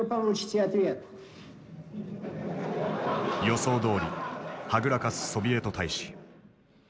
予想どおりはぐらかすソビエト大使。